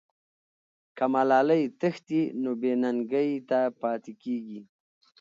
که ملالۍ تښتي، نو بې ننګۍ ته پاتې کېږي.